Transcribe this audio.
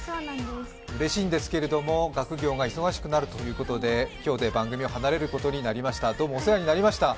うれしいんですけれども、学業が忙しくなるということで今日で番組を離れることになりました、どうもお世話になりました。